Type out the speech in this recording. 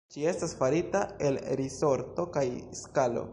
Ĝi estas farita el risorto kaj skalo.